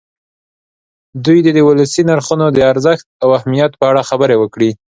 دوی دې د ولسي نرخونو د ارزښت او اهمیت په اړه خبرې وکړي.